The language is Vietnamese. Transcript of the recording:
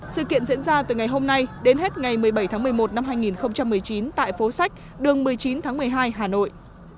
sự kiện diễn ra từ ngày hôm nay đến hết ngày một mươi bảy tháng một mươi một năm hai nghìn một mươi chín tại phố sách đường một mươi chín tháng một mươi hai hà nội